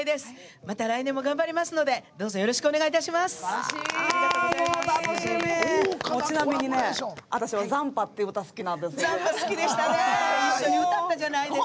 また来年も頑張りますのでどうぞよろしくお願いします！